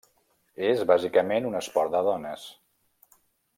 És bàsicament un esport de dones.